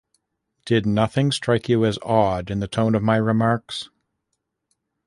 Did nothing strike you as odd in the tone of my remarks?